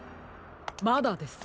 まだです。